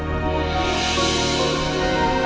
dimana kita skani dengan benar ya